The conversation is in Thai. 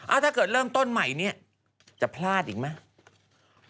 ถ้าเกิดเริ่มต้นใหม่เนี่ยจะพลาดอีกไหม